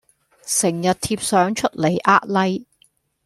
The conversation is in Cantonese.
成日貼相出來呃 like